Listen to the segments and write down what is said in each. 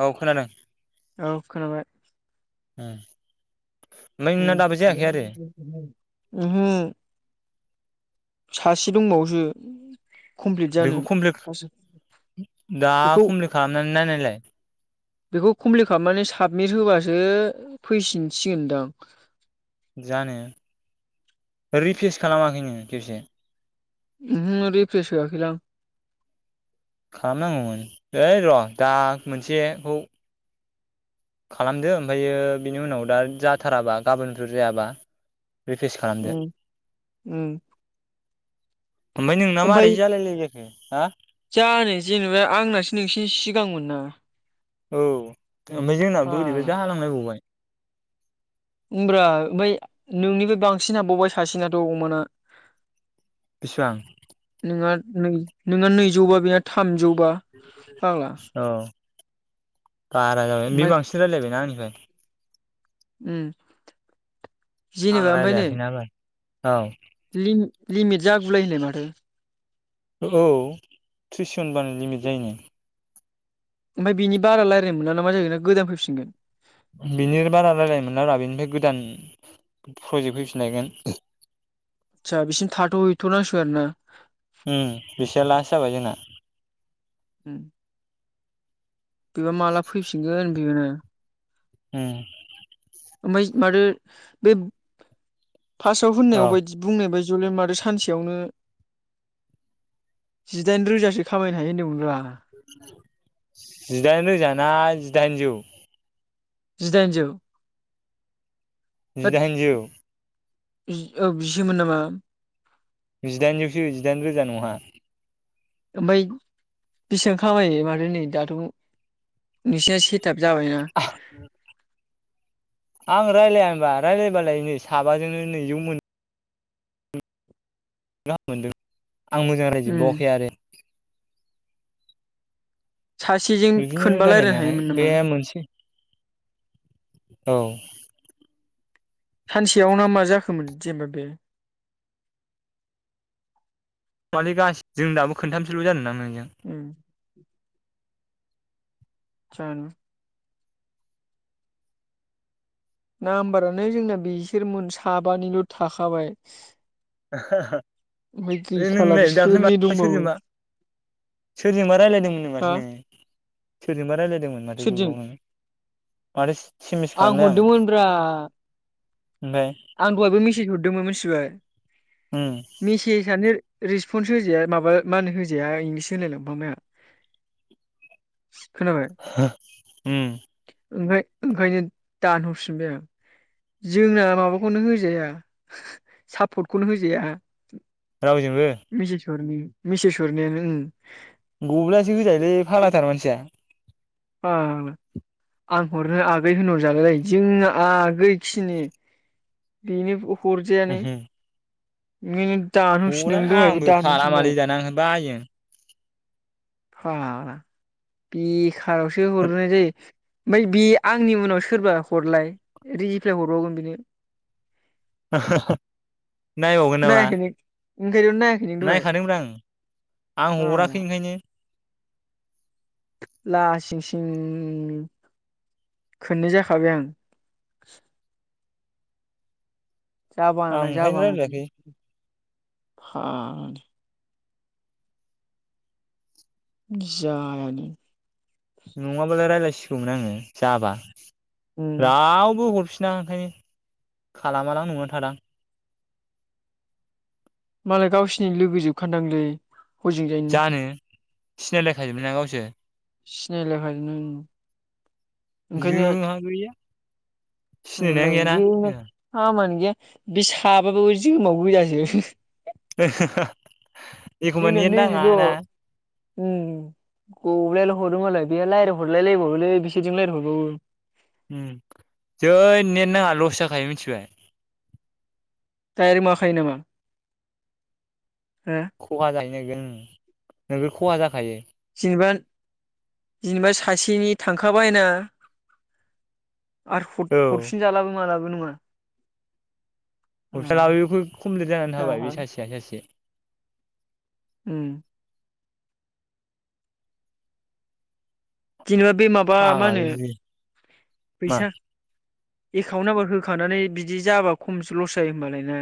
औ खोनादों औ खोनाबाय। हम। उम [unintelligible] सासे दंबावोसो। कमप्लिट जानो बेखौ कमप्लिट दा बेखौ कमप्लिट खालामनानै नायनायलाय। बेखौ कमप्लिट खालामनानै साबमिट होबासो फैफिनसिगोनदां। जानो रिफेस खालामाखैनो खेबसे? उहो रिफ्रेस होआखैलां। खालामनांगौमोन ओइ र' दा मोनसेखौ। खालामदो ओमफायो बिनि उनाव दा जाथाराबा गाबोनफोर जायाबा रिफ्रेस खालामदो उम-उम ओमफ्राय नोंना मारै जालायलायै उम हा। जानो जेनेबा आंनासो नोंसिनि सिगांमोन ना औ ओमफाय जोंना ओरैबा फाग्ला जाहालांलायबावबाय। ओमब्रा ओमफाय नोंनिबो बांसिन हाबबावबाय सासेनाथ' अमाना। बिसेबां? नोंहा नै नोंहा नैजौबा बेहा थामजौ औ बारा जागोन बे ओमफाय बांसिन रायलायबायना आंनिफ्राय उम आं रायलायाखै नालाय औ लि-लिमि जागुलायनो माथो औ थ्रिस बानो लिमिट जायोनो ओमफाय बिनि बारा रायलायनो मोना ना मा जायो ना गोदान फैफिनगोन? बिनिनो बारा रायलायनो मोनला ब्रा बिनिफ्राय गोदान प्रजेक्ट फैफिनलायगोन। आसा बिसिम थाथ' हैथ' नांसिगो आरो ना। उम बिसेआ लास जाबाय जोंना उम बेबा माला फैफिनगोन बेनो [inaudible] होम ओमफाय मादो। फास्टआव औ होननायाव बायदि बुंनाय बाय जयेलाय मादो सानसेयावनो जिदाइन रोजासो खामायनो हायो होनदोंमोन रा। जिदाइन रोजा ना जिदाइनजौ जिदाइनजौ होद जिदाइनजौ [unintelligible] औ बिसोमोन नामा जिदाइनजौसो जिदाइन रोजा नंङा। ओमफाय बेसेबां खामायो माथो नै दाथ' नोंसिना से थाब जाबायना। आं रायलाया होनबा रायलायबालाय नै साबाजोंनो नैजौ मोनो गाम मोनदों। आं मोजां उम नायजोबावाखै आरो सासेजों बिदिनो खोनबा रायलायनो हानाय हायोमोन बे नामा मोनसे औ सानसेयाव ना मा जाखोमोन जेनेबा बे माने गासैजों दाबो खोनथामसोल' जादों ना नों उम च ना नाम्बारानो जोंना बिसोरमोन साबानिल' थाखाबाय आ हा हा ओमफ्राय नों गैखाला नोंलाय दाख्लै सोरनि माथो दंबावो सोरजोंबा सोरजोंबा रायज्लायदोंमोननो माथो हा नोङो सोरजोंबा रायलाय -दोंमोन माथो सोरजों गोबाव नानै माथो सि आं हरदोंमोनब्रा ओमफ्राय आं दहायबो मेसेज हरदों दोंमोन मिथिबाय उम मिसेसानो रिसपन्स होजाया माबा मा होनो होजाया इंलिस होनलाय लांफांबाय आं उम ओंखाय-ओंखायनो दानहरफिनबाय आं जोंना माबा -खौनो होजाया सापर्टखौनो होजाया रावजोंबो मिसेस हरनायानो ओं गब्लायासो होजायोलै फाग्लाथार मानसिया ओ आं हरनो आगै होनहरजागोनलाय जों आगै खिनि बेनो हरजायानो उमहो मिनि हरा आंबो खालामालै दाना ओंखायनो बायो आं [unintelligible] बेखारावसे हरनाय जायो ओमफ्राय बे आंनि उनाव सोरबा हरलाय रिप्लाय हरबावगोन बेनो [inaudible] नायबावगोन नामा नायाखै नों ओंखायनोथ' नायाखै नों दहाय नायखादोंमोन आं आं फाग्ला हराखै ओंखायनो लासिंसिं खोननै जाखाबाय आं जाबा आं नाथां ओंखायनो जाबा रायलायाखै [unintelligible] जायालै नङाबालाय [unintelligible] आङो जाबा उम रावबो हरफिन -फिना ओंखायनो खालामालां नंनानै थादां मालाय गावसिनि लोगोजोबखादांलै हजोंजायनि सिनायलायखाजोबो ना गावसो सिनायलायबाय ओं जोंहा गैया सिनायनायानो गैयाना जोंहा [unintelligible] बे साबाबाबो जोमाव गोजासो हा हा हा इखमबा जोंना नेथ नाङा नैबेल' ना उम गब्लायल' हरो मालाय बे रायज्लाय हरलायलायबावोलै बिसोरजों रायज्लाय हरबावो उम जै नेट नाङा लस जाखायो मिथिबाय दायरेक माखायो नामा हो खहा जायो होगोन नोगोर खहा जाखायो जेनेबा जेनेबा सासेनि थांखाबायना आरो औ हर-हरफिन जालाबो मालाबो ज' नङा [inaudible] [unintelligible] बेखौ कमप्लिट जानानै थाबाय बे जागोन सासेया सासे। उम जेनेबा बे माबा मा फाग्ला होनो बिदि [inaudible] मा फैसा एकाउन्ट नाम्बार होखानानै बिदि जाबा खमसो लस जायो होमबालाय ना।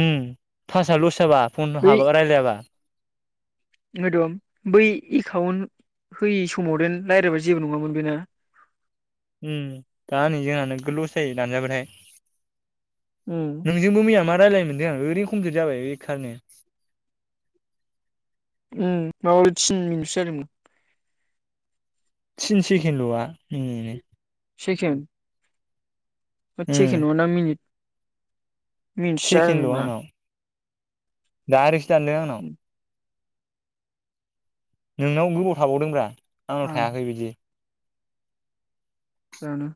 उम, फास लस जाबा फन हाबा राय्लायाबा। ओंखायथ' बै एकाउन्ट होयि समाव देन रायलायबा जेबो नङामोन बे ना। उम दा नै जोंहा नोगोर लस जायो दानजाबाथाय। उम [inaudible] नोंजोंबो मैया मा रायलायनो मोनदों आं ओरैनो कमप्लिट जाबाय बेखारनो। उम [unintelligible] थिन मिनिटसो जादोंमोन। थिन सेकेन्द ल'आ [unintelligible] सेकेन्द होद उम सेकेन्ड नङा दां मिनिट। मिनथिया [unintelligible] दायरेकसो दानदों आंनाव। नोंनाव गोबाव थाबावदोंब्रा। आंनाव आं थायाखै बिदि जानो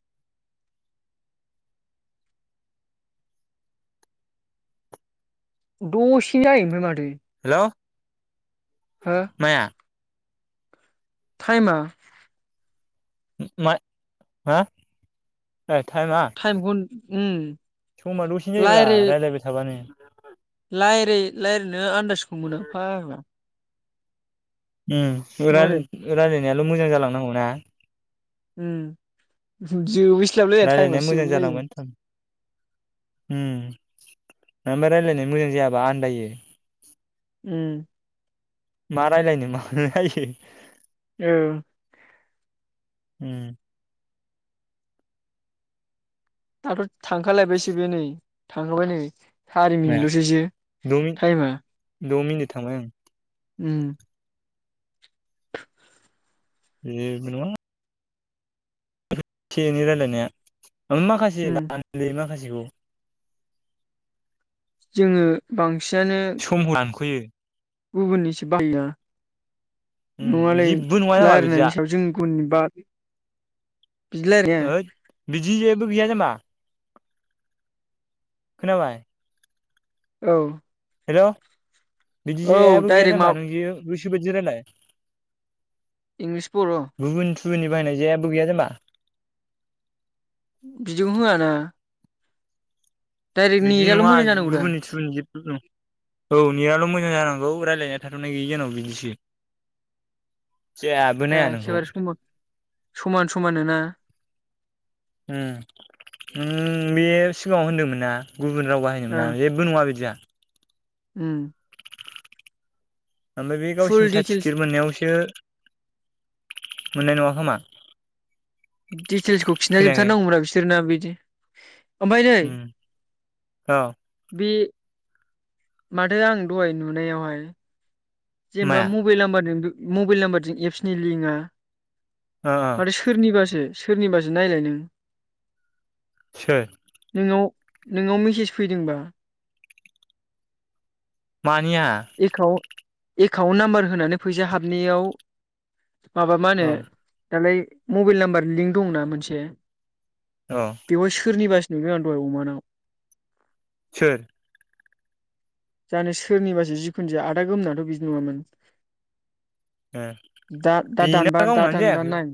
द'सिनो जायो ओमफ्राय माथो। हेलौ माया? थाइम आ। मा [inaudible] मा? ए टाइमा। टाइमखौ उम समा दसेनो जायोब्रा रायलायबाय थाबानो। लायेर लाय [inaudible] नो आन्दाजखौ मोनो फाग्ला। उम नंगौदा [unintelligible] [unintelligible] ल' मोजां जालांनांगौना। ओम ज [unintelligible] [unintelligible] रायलायनाया थाइमासो मोजां जोबलाय जालांबानो थां लायो। उम, [unintelligible] मा रायलायनाय मोजां जायाबा आन्दायो। उम मा रायलायनो मानो फायखो औ उम आथ' थांखालायबायसो बे नै थाङोबा नै सारि मिनिट माया ल'सैसो द' मिनिट टाइमा द' मिनिट थांबाय आं उम जेबो नङा। से एनै रायलायनाया ओं माखासे उम [unintelligible] लै माखासे जु जोङो बांस सम' लांखयो। गुबुननि सो बाहायो उम नङालै जेबो नङा जामा बिदिया लायरायनायनि सायाव जों गुन बाद बिदि लायरायनाया दि जेबो गैया जाम्बा [inaudible] खोनाबाय औ हेल' बिदि औ जेबो गैया डाइरेक्ट माबा जाम्बा नों जेब गोसोबादि रायलाय इंलिस बर' सुनि बाहायनाय जेबो गैया जाम्बा बिदिखौ होआना डाइरेक्ट बिदि नेटआल' नङा मोजां जानांगौ दा गुबुननि थुबुननि जेबबो नं औ नेयाल' मोजां जानांग गौ रायलायनाया थाथ'नाय गैयि जानांगौ बिदिसो [inaudible] जेबो नाया नोंखौ एखेबारे सम समान समान नो ना? उम उम बे सिगाङाव होनदोमोन ना गुबुन राव बाहायनो मोना ओं जेबो नङा बिदिया उम ओमबाय बे फुल गावसिनि डिटेल्स साटिपिकिर मोननायावसो मोननाय नङा खोमा डिटेलसखौ खिनथा खोनायाखै जोबथारनांगौ ब्रा [unintelligible] [unintelligible] ओमफाय नै उम औ बे माथो आं दहाय नुनायावहाय जेनबा माया मबेल नाम्बार [unintelligible] मबेल नाम्बारजों एपसनि लिंकआ ओ ओ माथो सोरनिबासो सोरनिबासो नायलाय नों सोर नोंनाव नोंनाव मेसेज फैदोंबा मानिया एकाउन्ट एकाउन्ट नाम्बार होनानै फैसा हाबनायाव माबा मा होनो औ दालाय मबेल नाम्बार लिंक दं ना मोनसे औ बेवहाय सोरनि बा सो [unintelligible] सोर जानो सोरनिबासो जिखुनु जाया आदा गोमना बो बिदि नङामोन ओ दा दा बेना दानबा दा गावनानो दानबा जायाखै नाय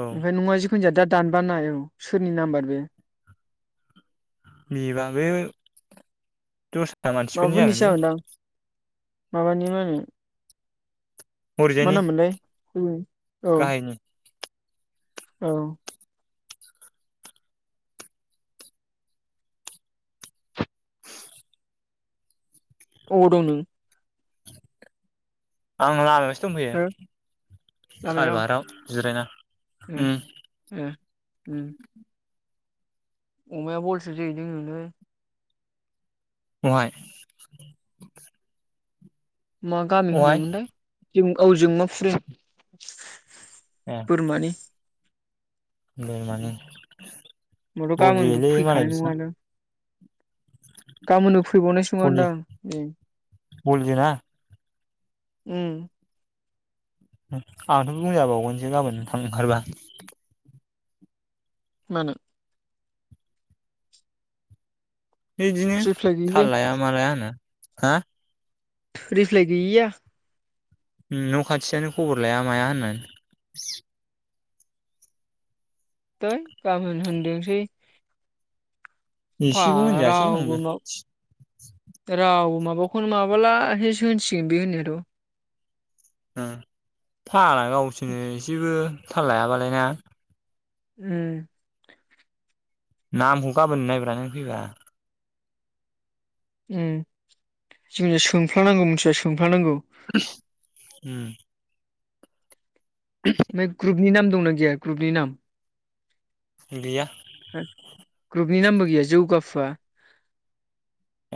औ ओमफाय नङा होनजाया दा दानबा नाय औ सोरनि नाम्बार बे [unintelligible] [unintelligible] मानसिफोरनि जागोन माबाफोरनिसो बे जागोनदां माबानि मा होनो मा हरैजायनि नाम मोनलाय उम औ गाहायनि औ अबाव दं नों आं लामायावसो हो दंफैयो खालबाराव जिरायना उम ए उम अमाया बलसो जोयैदों [unintelligible] अहाय मा गामि होनोमोनलाय जों औ जोंमा फुरि [inaudible] बोरमानि माने होमबाथ' गाबोनबो बलियोलै मालाय बिसिना गाबोननो फैबावनायसो बल नङादां बल जोना उम आंथ' बुंजाबावगोनसो गाबोन थांनो ओंखारबा मानो बिदिनो रिफ्लाय गैयि थाल लाया मा लाया होना हा रिफ्लाय गैयैया न' खाथियानो खबर लाया माया होना थै गामोन होन्थोंसै एसेखौ फारा होनजासै आंबो रावबो माव रावबो माव माबाखौनो माबाला होस होनसिगोन बे होननायाथ' ओम फाग्ला गावसोरनो एसेबो थाल लायाबालाय ना उम नामखौ गाबोन नायब्रा नों फैबा ओम जों सोंफ्लानांगौ मिथिबाय सोंफ्ला उम मे ग्रुप ग्रुपनि नाम दंना गैया ग्रुपनि नाम गैया फुया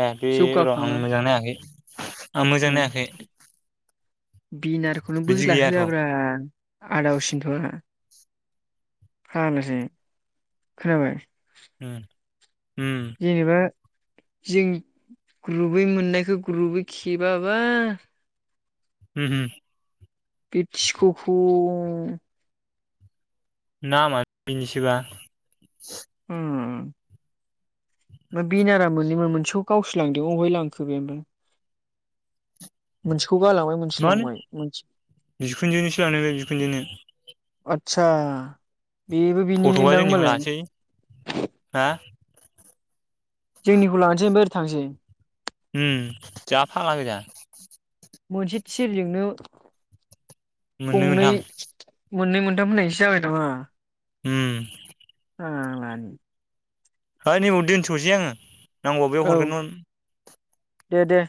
ए बे र' आं मोजां नायाखै [inaudible] आं मोजां नायाखै बिनारखौनो बिदि बोदला गैयाथ' होआब्रा आदावसिनथ' आहा फानोसै। खोनाबाय? ओम जेनेबा जों ग्रुबै मोननायखौ ग्रुुबै खेबाबा। ओम हो बेटिक'खौ नामानो बिनोसोबा। ओम मोन बेनारा मोननैमोन। मोनसेखौ गावसो लांदो अहाय लांखो बे ओमफ्राय? मोनसेखौ गालांबाय मोनसे लांबाय मोनसे मानो जिखुनजोनोसो लांदों बेयो जिखुनजोनो ‌। आतसा। बेबो बिनिनो फट'आ दां जोंनिखौ होनबालाय? लासै [inaudible] जोंनिखौ लानोसै ओफ्राय ओरै थांसै। ओम जा फाल्गा गोजा। मोनसे थिरजोंनो। मोननै गंनै मोनथाम मोननै मोनथाम होननायनिसो जाबाय नामा? ओम। फाग्ला नि। है' नैबाव दोनथ'नोसै आङो? नांगौबा बैआव औ हरगोन 'न दे दे।